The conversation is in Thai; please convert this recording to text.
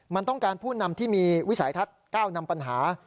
มันต้องการผู้นำที่มีวิสัยทัศน์ก้าวนำปัญหา